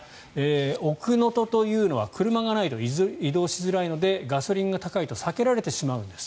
奥能登というのは車がないと移動しづらいのでガソリンが高いと避けられてしまうんです。